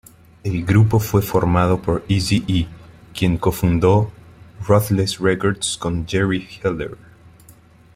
El grupo fue formado por Eazy-E, quien cofundó Ruthless Records con Jerry Heller.